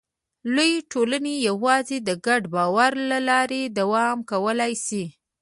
لویې ټولنې یواځې د ګډ باور له لارې دوام کولی شي.